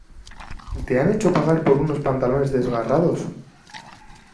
¿Y te han hecho pagar por unos pantalones desgarrados?